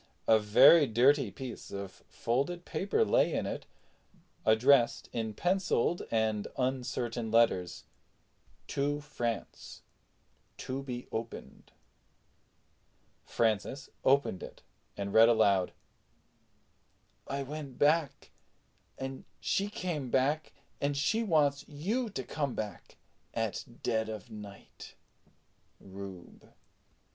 A very dirty piece of folded paper lay in it, addressed in penciled and uncertain characters TO FRANCE TO BE OPENED. Francis opened it and read aloud: "I went back and she came back and she wants you to come back at ded of nite. RUBE."